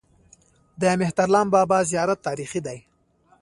د مهترلام بابا زیارت تاریخي دی